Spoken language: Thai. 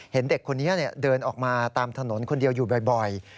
เห็นเด็กคนนี้เดินออกมาตามถนนคนเดียวอยู่บ่อย